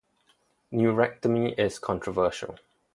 Neurectomy is controversial.